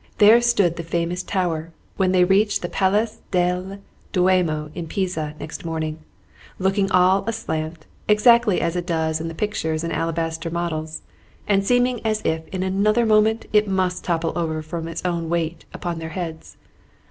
There stood the famous tower, when they reached the Place del Duomo in Pisa, next morning, looking all aslant, exactly as it does in the pictures and the alabaster models, and seeming as if in another moment it must topple over, from its own weight, upon their heads.